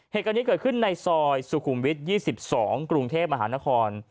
เหตุการณ์นี้เกิดขึ้นในซอยสุขุมวิทย์๒๒กรุงเทพมหานคร